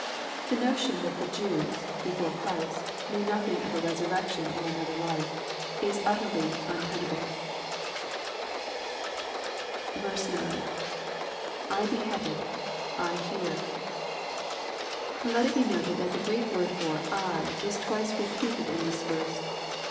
The notion, that the Jews, before Christ, knew nothing of a resurrection or another life, is utterly unten able. 9. —[/ hehead ed .../ hear.] Let it be noted that the Greek word for " I," is twice repeated in this verse.